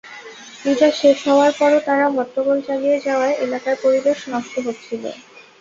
পূজা শেষ হওয়ার পরও তারা হট্টগোল চালিয়ে যাওয়ায় এলাকার পরিবেশ নষ্ট হচ্ছিল।